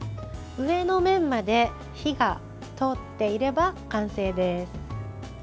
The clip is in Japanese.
上の面まで火が通っていれば完成です。